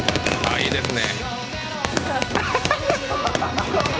いいですね。